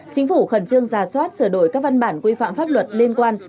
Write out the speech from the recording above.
chính phủ khẩn trương giả soát sửa đổi các văn bản quy phạm pháp luật liên quan